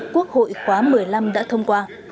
quốc hội khóa một mươi năm đã thông qua